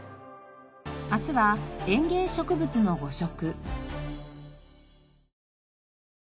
明日は園芸植物の誤食。